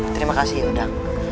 terima kasih ya oda